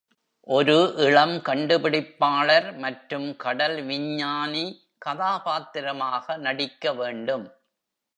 ஒரு இளம் கண்டுபிடிப்பாளர் மற்றும் கடல் விஞ்ஞானி கதாபாத்திரமாக நடிக்க வேண்டும்.